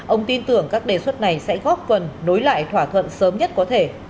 ông tin tưởng các đề xuất này sẽ góp phần nối lại thỏa thuận sớm nhất có thể